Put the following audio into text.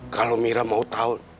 kalau mira mau tau